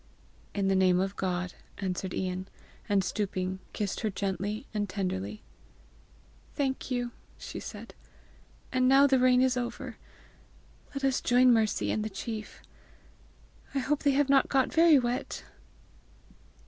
"In the name of God!" answered Ian, and stooping kissed her gently and tenderly. "Thank you!" she said; " and now the rain is over, let us join Mercy and the chief. I hope they have not got very wet!"